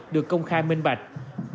được công khai minh pháp luật